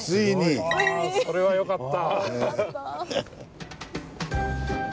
ああそれはよかった！